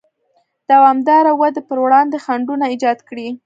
دوامداره ودې پر وړاندې خنډونه ایجاد کړي.